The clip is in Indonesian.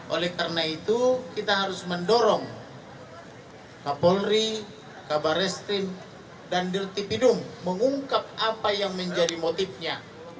oleh karena itu kita harus mendorong kapolri kabar restrim dan dirtipidung mengungkap apa yang menjadi motifnya